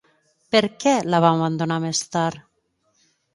Per què la va abandonar més tard?